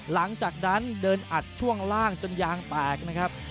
หลังจากนั้นเดินอัดช่วงล่างจนยางแตกนะครับ